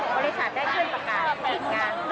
บริษัทได้ช่วยประกาศปิดการ